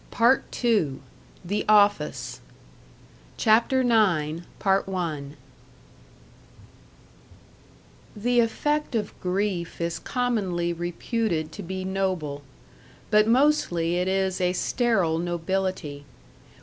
Part II THE OFFICE CHAPTER IX The effect of grief is commonly reputed to be noble. But mostly it is a sterile nobility.